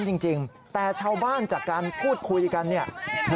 แล้วจริงคือยอดมันเท่าไรกันแน่